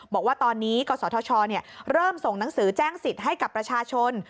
บอกว่าตอนนี้กศธชเริ่มส่งหนังสือแจ้งสิทธิ์ให้กับประชาชน